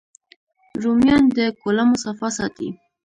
رومیان د کولمو صفا ساتي